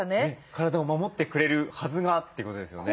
体を守ってくれるはずがってことですよね。